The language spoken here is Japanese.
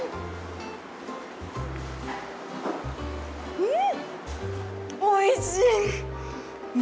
うん！